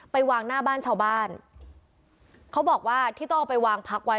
ไปวางหน้าบ้านชาวบ้านเขาบอกว่าที่ต้องเอาไปวางพักไว้